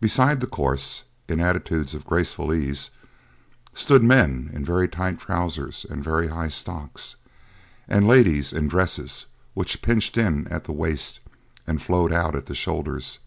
Beside the course, in attitudes of graceful ease, stood men in very tight trousers and very high stocks and ladies in dresses which pinched in at the waist and flowed out at the shoulders.